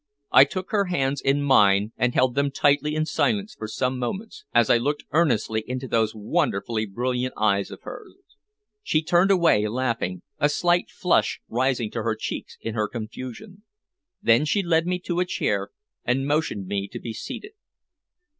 I took her hands in mine and held them tightly in silence for some moments, as I looked earnestly into those wonderfully brilliant eyes of hers. She turned away laughing, a slight flush rising to her cheeks in her confusion. Then she led me to a chair, and motioned me to be seated.